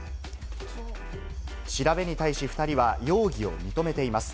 調べに対し、２人は容疑を認めています。